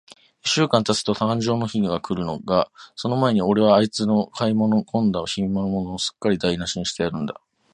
一週間たつとかんじょうの日が来るが、その前に、おれはあいつの買い込んだ品物を、すっかりだいなしにしてやるんだ。